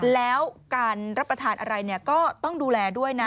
แล้วการรับประทานอะไรก็ต้องดูแลด้วยนะ